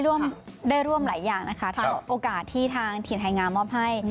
ร่วมได้ร่วมหลายอย่างนะคะถ้าโอกาสที่ทางทีมไทยงามมอบให้